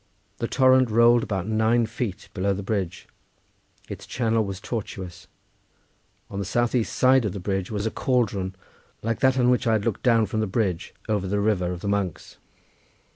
The torrent rolled about nine feet below the bridge; its channel was tortuous; on the south east side of the bridge was a cauldron, like that on which I had looked down from the bridge over the river of the monks.